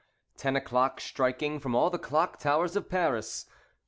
Ten o'clock striking from all the clock towers of Paris.